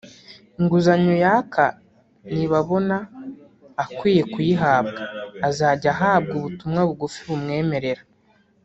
Inguzanyo yaka nibabona akwiye kuyihabwa azajya ahabwa ubutumwa bugufi bumwemerera